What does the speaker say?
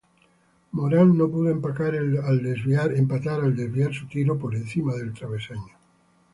Morán no pudo empatar al desviar su tiro por encima del travesaño.